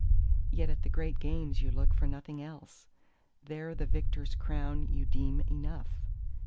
Yet at the Great Games you look for nothing else; there the victor's crown you deem enough.